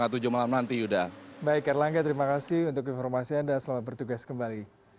dan bagaimana hasil pertandingan melawan t minus rover dengan skor empat puluh satu